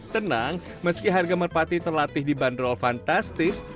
tenang meski harga merpati terlatih di bandrol fantastis